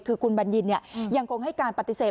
คือคุณบัญญินยังคงให้การปฏิเสธ